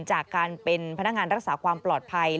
จากการเป็นพนักงานรักษาความปลอดภัย